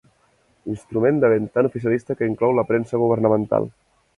Instrument de vent tan oficialista que inclou la premsa governamental.